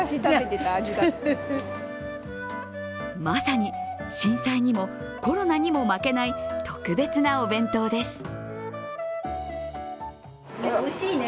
まさに、震災にも、コロナにも負けない、特別なお弁当です。